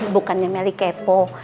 bukannya meli kepo